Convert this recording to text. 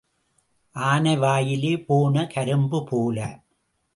ஆனை வாயில் போன கரும்பு போல.